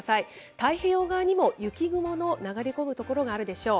太平洋側にも雪雲の流れ込む所があるでしょう。